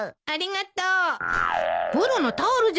ありがとう。